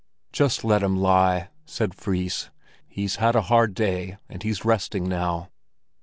"Just let him lie!" said Fris. "He's had a hard day, and he's resting now."